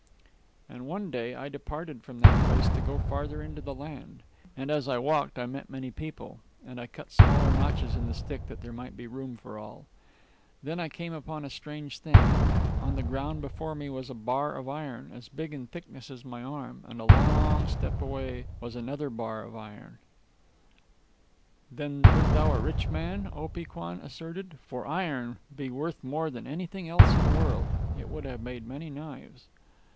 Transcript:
"And one day I departed from that place to go farther into the land. And as I walked I met many people, and I cut smaller notches in the stick, that there might be room for all. Then I came upon a strange thing. On the ground before me was a bar of iron, as big in thickness as my arm, and a long step away was another bar of iron " "Then wert thou a rich man," Opee Kwan asserted; "for iron be worth more than anything else in the world. It would have made many knives."